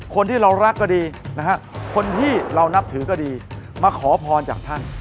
คนที่เรารักก็ดีนะฮะคนที่เรานับถือก็ดีมาขอพรจากท่าน